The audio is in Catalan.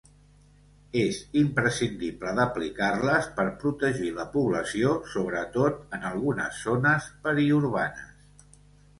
És imprescindible d’aplicar-les per protegir la població sobretot en algunes zones periurbanes.